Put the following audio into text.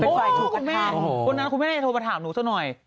โอ้โหคุณแม่คุณแม่โทรมาถามหนูเสียหน่อย